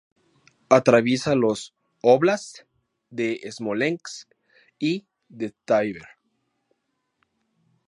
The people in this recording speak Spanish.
Atraviesa los "óblast" de Smolensk y de Tver.